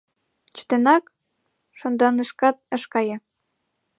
Чытенак, шонданышкат ыш кае.